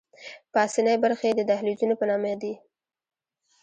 پاسنۍ برخې یې د دهلیزونو په نامه دي.